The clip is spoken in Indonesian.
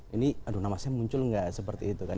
ini aduh namanya muncul nggak seperti itu kan